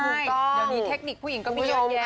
มีเทคนิคผู้หญิงก็ไม่ยอมแยก